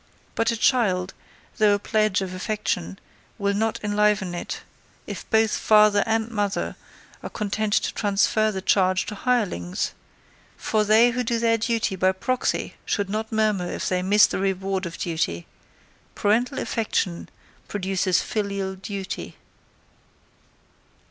But a child, though a pledge of affection, will not enliven it, if both father and mother are content to transfer the charge to hirelings; for they who do their duty by proxy should not murmur if they miss the reward of duty parental affection produces filial duty.